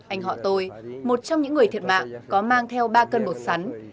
anh họ tôi một trong những người thiệt mạng có mang theo ba cân bột sắn